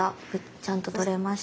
ちゃんと取れました。